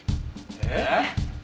えっ！？